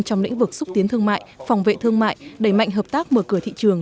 trong lĩnh vực xúc tiến thương mại phòng vệ thương mại đẩy mạnh hợp tác mở cửa thị trường